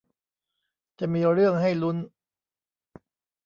จะมีเรื่องให้ลุ้น